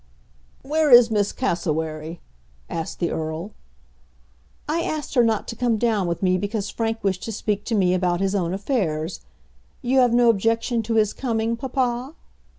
"Where is Miss Cassewary?" asked the Earl. "I asked her not to come down with me because Frank wished to speak to me about his own affairs. You have no objection to his coming, papa?"